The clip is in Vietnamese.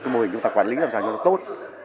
cái mô hình chúng ta quản lý làm sao cho nó tốt